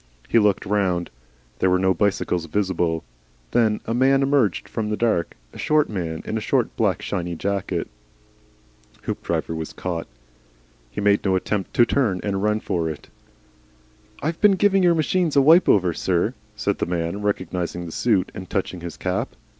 He looked round. There were no bicycles visible. Then a man emerged from the dark, a short man in a short, black, shiny jacket. Hoopdriver was caught. He made no attempt to turn and run for it. "I've been giving your machines a wipe over, sir," said the man, recognising the suit, and touching his cap.